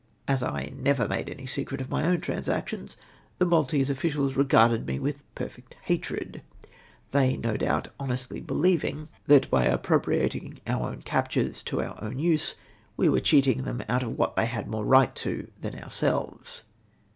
As I never made any secret of my own transactions, the Maltese officials regarded me with perfect hatred ; they, no doubt, honestly behoving that by appropriating our own captures to our own use, we were cheating them out of what they had more riglit to than om^selves